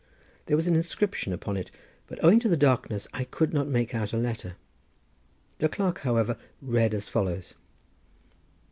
There was an inscription upon it, but owing to the darkness I could not make out a letter. The clerk however read as follows.